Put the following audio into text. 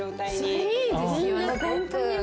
それいいですよね。